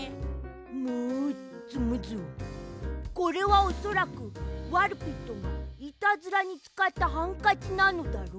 ムズムズこれはおそらくワルピットがイタズラにつかったハンカチなのだろう。